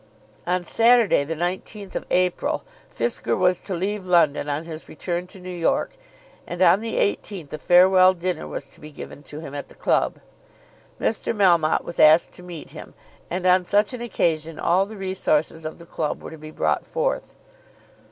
On Saturday, the 19th of April, Fisker was to leave London on his return to New York, and on the 18th a farewell dinner was to be given to him at the club. Mr. Melmotte was asked to meet him, and on such an occasion all the resources of the club were to be brought forth.